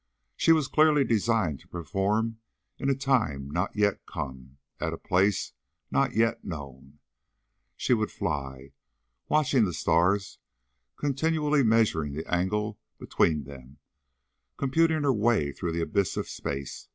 She was clearly designed to perform in a time not yet come, at a place not yet known. She would fly, watching the stars, continuously measuring the angle between them, computing her way through the abyss of space.